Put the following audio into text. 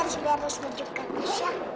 masya lu biar biar harus menuju ke rumah